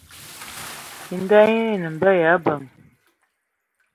E nda nyi e nə mbə ya abəŋ.